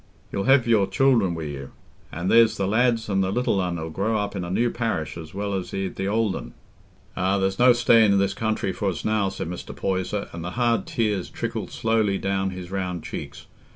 "You'll have your children wi' you; an' there's the lads and the little un 'ull grow up in a new parish as well as i' th' old un." "Ah, there's no staying i' this country for us now," said Mr. Poyser, and the hard tears trickled slowly down his round cheeks.